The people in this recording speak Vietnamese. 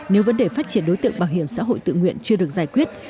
nếu vấn đề phát triển đối tượng bảo hiểm xã hội tự nguyện chưa được giải quyết